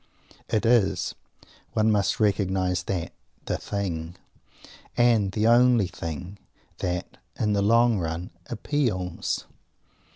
It is one must recognize that the thing, and the only thing, that, in the long run, _appeals.